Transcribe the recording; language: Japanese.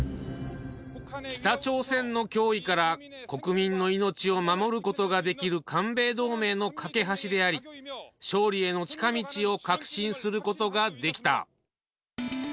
北朝鮮の脅威から、国民の命を守ることができる韓米同盟の懸け橋であり、勝利への近道を確信することができた。